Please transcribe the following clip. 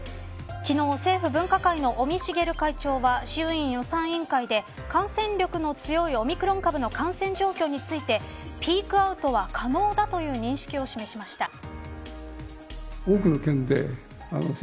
昨日、政府分科会の尾身茂会長は、衆院予算委員会で感染力の強いオミクロン株の感染状況についてピークアウトは可能だという認識を示しました。